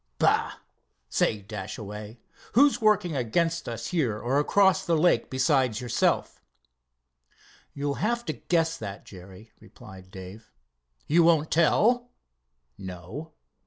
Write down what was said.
"Bah! Say, Dashaway, who's working against us here or across the lake besides yourself?" "You will have to, guess that, Jerry," replied Dave. "You won't tell?" "No.